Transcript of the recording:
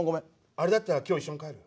あれだったら今日一緒に帰る？